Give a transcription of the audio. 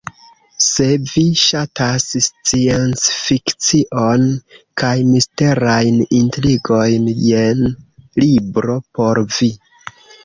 Se vi ŝatas sciencfikcion kaj misterajn intrigojn, jen libro por vi.